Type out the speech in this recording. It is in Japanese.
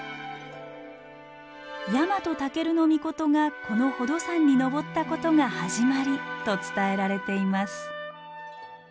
ヤマトタケルノミコトがこの宝登山に登ったことが始まりと伝えられています。